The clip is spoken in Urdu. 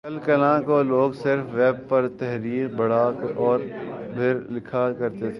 کل کلاں کو لوگ صرف ویب پر تحریر پڑھا اور پھر لکھا کر تھے